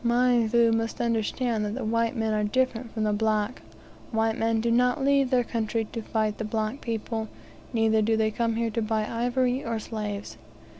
Mionvu must understand that the white men are different from the black. White men do not leave their country to fight the black people, neither do they come here to buy ivory or slaves.